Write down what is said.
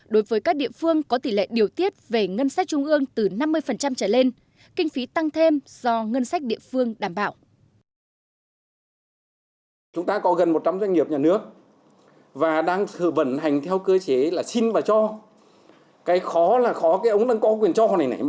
đối với các địa phương có tỷ lệ điều tiết về ngân sách trung ương từ năm mươi trở lên kinh phí tăng thêm do ngân sách địa phương đảm bảo